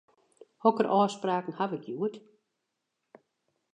Hokker ôfspraken haw ik hjoed?